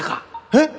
えっ？